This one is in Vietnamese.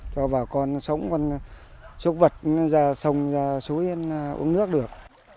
cho vào con sống con súc vật ra sông ra suối uống nước được